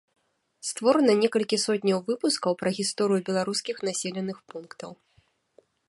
Створана некалькі сотняў выпускаў пра гісторыю беларускіх населеных пунктаў.